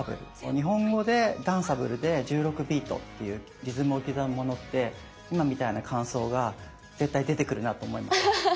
日本語でダンサブルで１６ビートっていうリズムを刻むものって今みたいな感想が絶対出てくるなと思います。